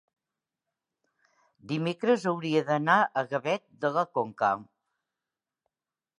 dimecres hauria d'anar a Gavet de la Conca.